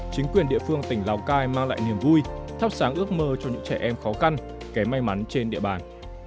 chính quyền địa phương tỉnh lào cai mang lại niềm vui thắp sáng ước mơ cho những trẻ em khó khăn kém may mắn trên địa bàn